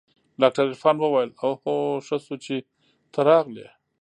ډاکتر عرفان وويل اوهو ښه شو چې ته راغلې.